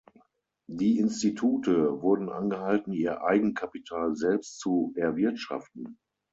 Die Institute wurden angehalten ihr Eigenkapital selbst zu erwirtschaften.